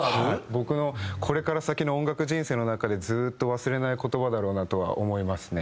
僕のこれから先の音楽人生の中でずっと忘れない言葉だろうなとは思いますね。